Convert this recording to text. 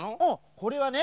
これはね